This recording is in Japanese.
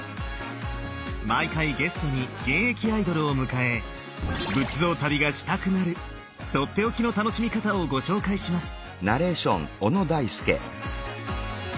毎回ゲストに現役アイドルを迎え仏像旅がしたくなる取って置きの楽しみ方をご紹介します！